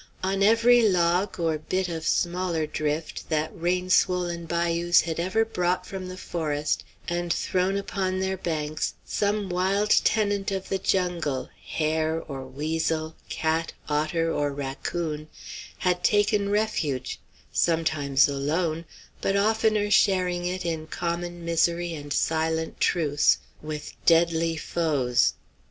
On every log or bit of smaller drift that rain swollen bayous had ever brought from the forest and thrown upon their banks some wild tenant of the jungle, hare or weasel, cat, otter, or raccoon, had taken refuge, sometimes alone, but oftener sharing it, in common misery and silent truce, with deadly foes.